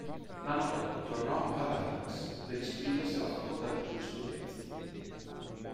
L'anno dopo tornò ad Aix per iscriversi alla facoltà di Giurisprudenza.